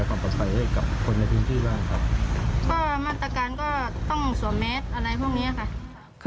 เพราะว่าอะไรมันก็เงียบปุดไปหมดเลยค่ะ